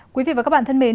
quý vị và các bạn thân mến